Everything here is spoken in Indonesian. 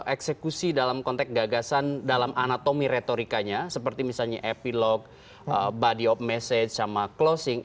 jadi itu bisa dikonsumsi dalam konteks gagasan dalam anatomi retorikanya seperti misalnya epilog body of message sama closing